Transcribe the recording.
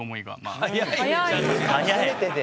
初めてで？